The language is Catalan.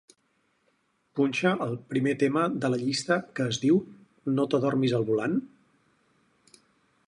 Punxa el primer tema de la llista que es diu "no t'adormis al volant"?